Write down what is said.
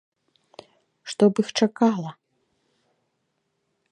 Што б іх чакала?